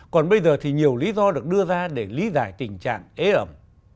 còn bây giờ thì nhiều lý do được đưa ra để lý giải tình trạng ế ẩm